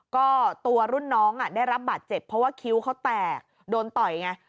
ก็ตัวรุ่นน้องได้รับบาดเจ็บเพราะว่าคิ้วเขาแตกโดนต่อยไง